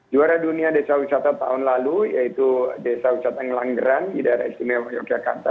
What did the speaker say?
juara dunia desa wisata tahun lalu yaitu desa wisata ngelanggeran di daerah istimewa yogyakarta